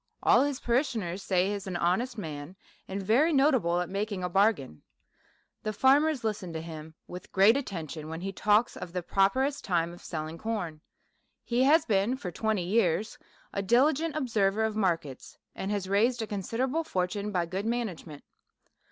All his parishioners say he is an honest man, and very notable at making a bargain. The farmers listen to him with great attention, when he talks of the proper est time of selling corn. He has been for twenty years a diligent observer of markets, and has raised a considerable fortune by good management.